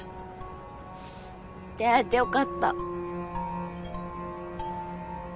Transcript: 出会えて良かった。